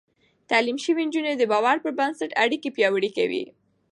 تعليم شوې نجونې د باور پر بنسټ اړيکې پياوړې کوي.